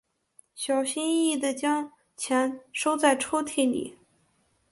小心翼翼地将钱收在抽屉里